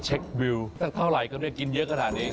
เช็ควิวแต่เท่าไรก็ไม่กินเยอะขนาดนี้